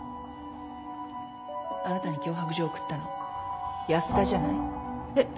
あなたに脅迫状送ったの安田じゃない？えっ？